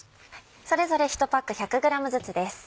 それぞれ１パック１００ｇずつです。